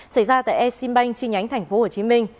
xảy ra tại exim bank trên nhánh tp hcm